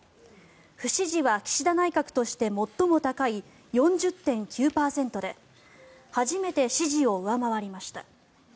不支持は岸田内閣として最も高い４０．９％で初めて支持を上回りました。